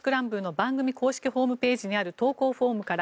番組公式ホームページにある投稿フォームから。